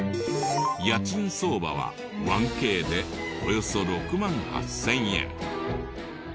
家賃相場は１Ｋでおよそ６万８０００円。